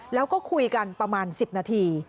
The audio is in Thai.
แล้วก็คุยกันประมาณ๑๐นาที